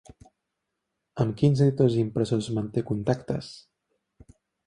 Amb quins editors i impressors manté contactes?